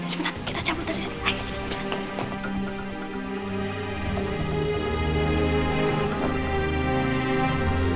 sebentar kita cabut dari sini ayo